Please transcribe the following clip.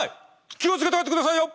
気を付けて帰ってくださいよ！